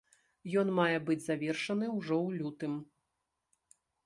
Ён мае быць завершаны ўжо ў лютым.